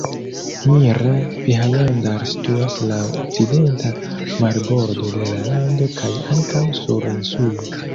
Mira-Bhajandar situas laŭ okcidenta marbordo de la lando kaj ankaŭ sur insulo.